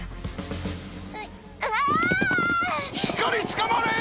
しっかりつかまれ！